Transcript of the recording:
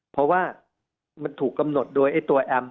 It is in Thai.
เพราะว่ามันถูกกำหนดโดยไอ้ตัวแอม